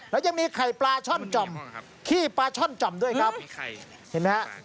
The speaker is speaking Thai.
แล้วยังมีไข่ปลาช่อนจ่อมขี้ปลาช่อนจ่อมด้วยครับเห็นไหมฮะ